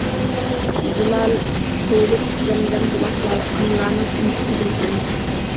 زىلال سۇلۇق زەمزەم بۇلاقلار، ئانىلارنىڭ ئەمچىكى، بىلسەم.